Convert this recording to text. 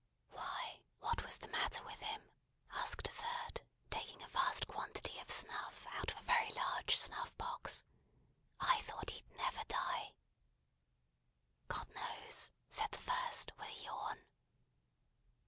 "Why, what was the matter with him?" asked a third, taking a vast quantity of snuff out of a very large snuff box. "I thought he'd never die." "God knows," said the first, with a yawn.